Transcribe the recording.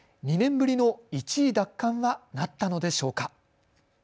２年ぶりの１位奪還はなったのでしょうか。